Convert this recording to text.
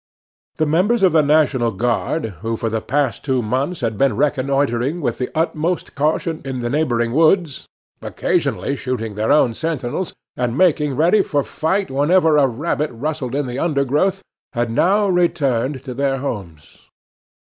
The members of the National Guard, who for the past two months had been reconnoitering with the utmost caution in the neighboring woods, occasionally shooting their own sentinels, and making ready for fight whenever a rabbit rustled in the undergrowth, had now returned to their homes.